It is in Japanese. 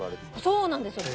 そうなんですよ。